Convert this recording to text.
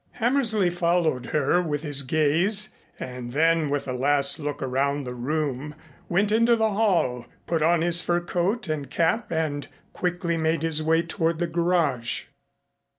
Hammersley followed her with his gaze and then with a last look around the room went into the hall, put on his fur coat and cap and quickly made his way toward the garage.